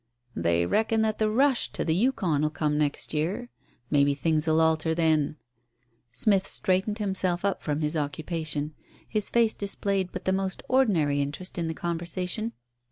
'" "They reckon that the 'rush' to the Yukon'll come next year. Maybe things will alter then." Smith straightened himself up from his occupation. His face displayed but the most ordinary interest in the conversation.